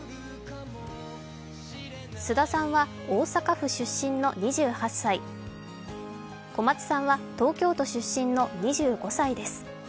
菅田さんは大阪府出身の２８歳、小松さんは東京都出身の２５歳です。